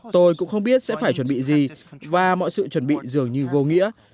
tôi cũng không biết sẽ phải chuẩn bị gì và mọi sự chuẩn bị dường như vô nghĩa